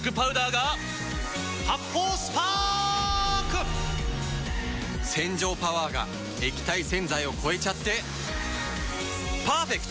発泡スパーク‼洗浄パワーが液体洗剤を超えちゃってパーフェクト！